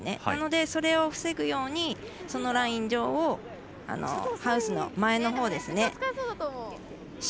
なので、それを防ぐようにそのライン上をハウスの前のほうですね。